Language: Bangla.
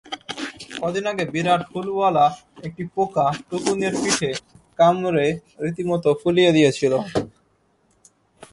কদিন আগে বিরাট হুলওয়ালা একটি পোকা টুকুনের পিঠে কামড়ে রীতিমতো ফুলিয়ে দিয়েছিল।